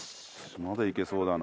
まだいけそうだな。